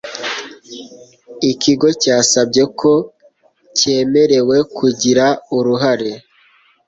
ikigo cyasabye ko cyemerewe kugira uruhare